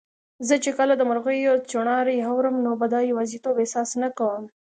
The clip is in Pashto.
زه چي کله د مرغیو چوڼاری اورم، نو به د یوازیتوب احساس نه کوم